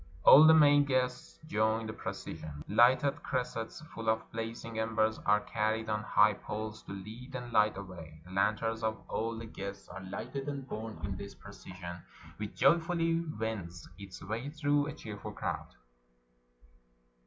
All the male guests join the procession. Lighted cressets full of blazing embers are carried on high poles to lead and hght the way. The lanterns of all the guests are Hghted and borne in this procession, which joyfully wends its way through a cheering crowd.